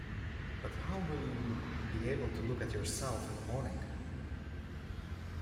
But how will you be able to look at yourself in the morning?